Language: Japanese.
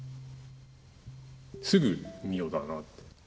すぐ美緒だなって。